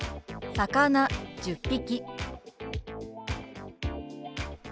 「魚１０匹」。